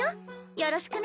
よろしくね。